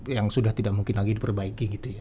yang sudah tidak mungkin lagi diperbaiki gitu ya